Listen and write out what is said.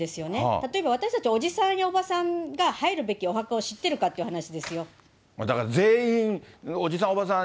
例えば私たちおじさんやおばさんが入るべきお墓を知ってるかってだから全員おじさん、おばさん